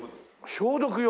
消毒用？